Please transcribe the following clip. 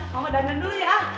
mama dandan dulu ya